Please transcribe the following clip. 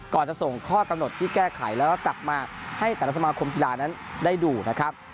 จะส่งข้อกำหนดที่แก้ไขแล้วก็กลับมาให้แต่ละสมาคมกีฬานั้นได้ดูนะครับ